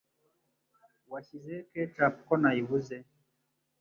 Washyize he ketchup ko nayibuze?